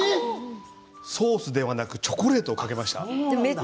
ソースではなくチョコレートをかけました。